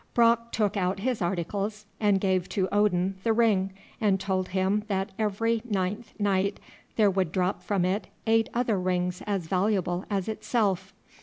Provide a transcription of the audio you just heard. Brock took out his articles, and gave to Odin the ring, and told him that every ninth night there would drop from it eight other rings as valuable as itself.